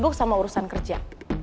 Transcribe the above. sibuk sama urusan kerja